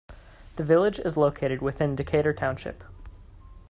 The village is located within Decatur Township.